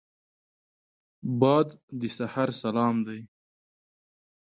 باد د سحر سلام دی